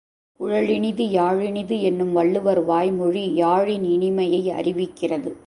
குழலினிது யாழினிது என்னும் வள்ளுவர் வாய்மொழி யாழின் இனிமையை அறிவிக்கிறது.